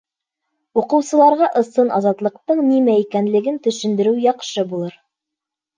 Уҡыусыларға ысын азатлыҡтың нимә икәнлеген төшөндөрөү яҡшы булыр.